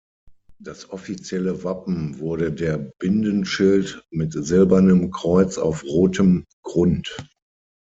Das offizielle Wappen wurde der Bindenschild mit silbernem Kreuz auf rotem Grund.